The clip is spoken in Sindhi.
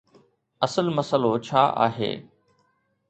اصل مسئلو ڇا آهي؟